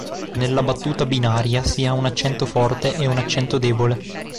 Nella battuta binaria si ha un accento forte e un accento debole.